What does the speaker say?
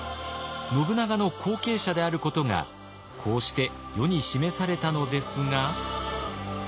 信長の後継者であることがこうして世に示されたのですが。